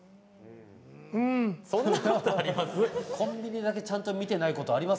そんなこと、あります？